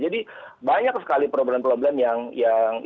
jadi banyak sekali problem problem yang harus di